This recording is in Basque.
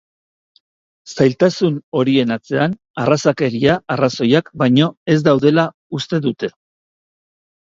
Zailtasun horien atzean arrazakeria arrazoiak baino ez daudela uste dute.